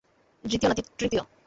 দ্বিতীয় না তৃতীয়?